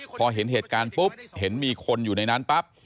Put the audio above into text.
พอเห็นเหตุการณ์ปุ๊บเห็นมีคนอยู่ในนั้นปั๊บ